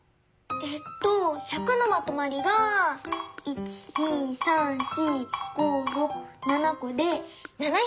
えっと１００のまとまりが１２３４５６７こで７００！